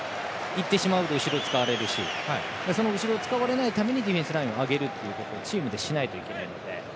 行ってしまうと後ろを使われるしその後ろを使われないためにディフェンスラインを上げることチームでしないといけないので。